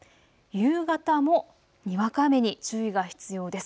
夕方もにわか雨に注意が必要です。